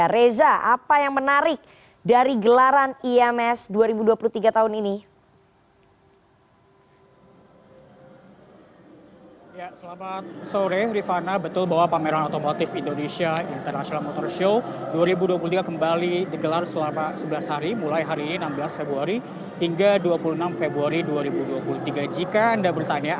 reza apa yang menarik dari gelaran ims dua ribu dua puluh tiga tahun ini